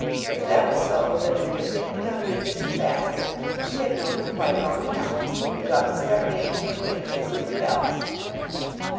If that was so, then in the opinion of the Efficient Baxter he had known her quite long enough and ought to start making the acquaintance of somebody else.